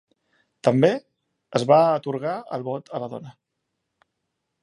També, es va atorgar el vot a la dona.